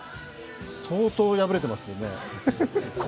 相当、破れていますよね。